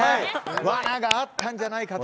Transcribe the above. わながあったんじゃないかと。